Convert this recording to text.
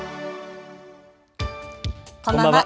こんばんは。